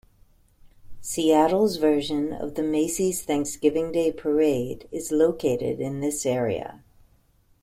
Seattle's version of the Macy's Thanksgiving Day Parade is located in this area.